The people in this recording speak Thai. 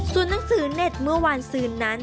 ส่วนหนังสือเน็ตเมื่อวานซืนนั้น